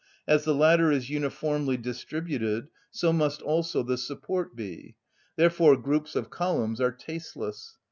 As the latter is uniformly distributed, so must also the support be; therefore groups of columns are tasteless.